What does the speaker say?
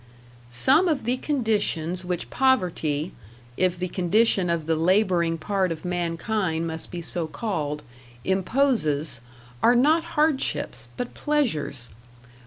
Some of the conditions which poverty (if the condition of the labouring part of mankind must be so called) imposes, are not hardships, but pleasures.